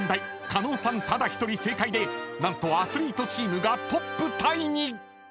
狩野さんただ１人正解で何とアスリートチームがトップタイに！］